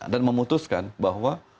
dan memutuskan bahwa